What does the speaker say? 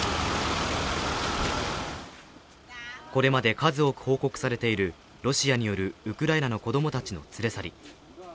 これまで数多く報告されているロシアによるウクライナの子供たちの連れ去り。